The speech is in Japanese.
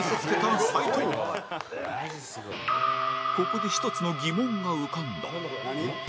ここで１つの疑問が浮かんだ